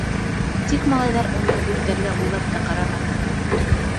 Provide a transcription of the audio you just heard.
Тик малайҙар уны үртәргә уйлап та ҡараманы.